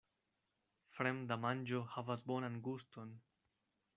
Fremda manĝo havas bonan guston.